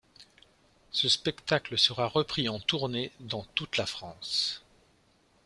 Ce spectacle sera repris en tournée dans toute la France.